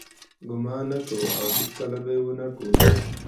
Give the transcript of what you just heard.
ګمان نه کوو او هیڅکله به یې ونه کړو.